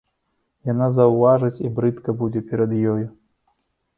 Яна заўважыць, і брыдка будзе перад ёю.